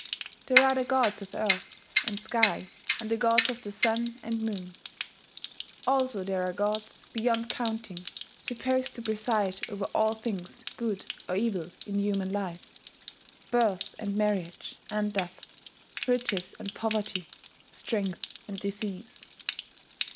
There are the gods of earth, and, sky, and the gods of the sun and moon. Also there are gods, beyond counting, supposed to preside over all things good or evil in human life, birth and marriage and death, riches and poverty, strength and disease